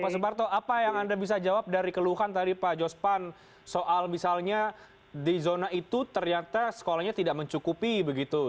pak suparto apa yang anda bisa jawab dari keluhan tadi pak jospan soal misalnya di zona itu ternyata sekolahnya tidak mencukupi begitu